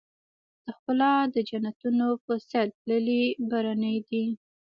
د ښــــــــکلا د جنــــــتونو په ســـــــېل تللـــــــی برنی دی